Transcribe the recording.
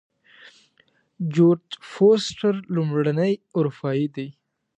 جورج فورسټر لومړنی اروپایی دی.